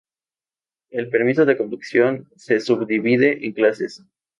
El permiso de conducción se subdivide en clases.